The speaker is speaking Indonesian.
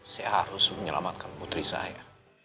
saya harus menyelamatkan putri saya